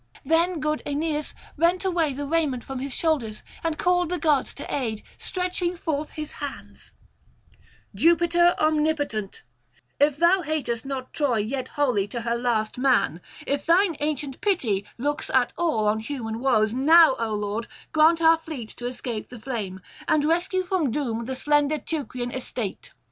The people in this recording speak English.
Then good Aeneas rent away the raiment from his shoulders and called the gods to aid, stretching forth his hands: 'Jupiter omnipotent, if thou hatest not Troy yet wholly to her last man, if thine ancient pity looks at all on human woes, now, O Lord, grant our fleet to escape the flame, and rescue from doom the slender Teucrian estate.